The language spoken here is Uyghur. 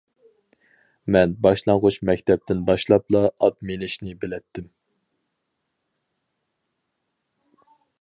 مەن باشلانغۇچ مەكتەپتىن باشلاپلا ئات مىنىشنى بىلەتتىم.